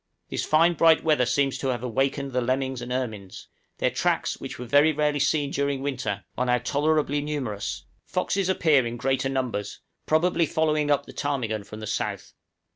This fine bright weather seems to have awakened the lemmings and ermines; their tracks, which were very rarely seen during winter, are now tolerably numerous; foxes appear in greater numbers, probably following up the ptarmigan from the south.